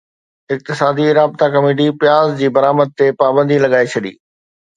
اقتصادي رابطا ڪميٽي پياز جي برآمد تي پابندي لڳائي ڇڏي